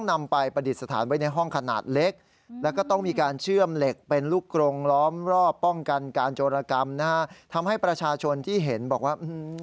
นะฮะทำให้ประชาชนที่เห็นบอกว่า